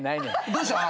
どうしたん？